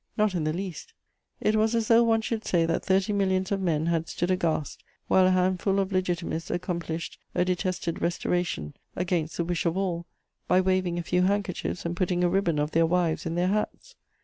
Not in the least: it was as though one should say that thirty millions of men had stood aghast, while a handful of Legitimists accomplished a detested restoration, against the wish of all, by waving a few handkerchiefs and putting a ribbon of their wives' in their hats!